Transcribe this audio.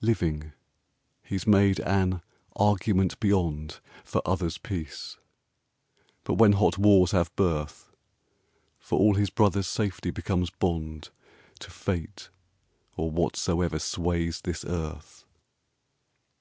Living, he's made an 'Argument Beyond' For others' peace; but when hot wars have birth, For all his brothers' safety becomes bond To Fate or Whatsoever sways this Earth.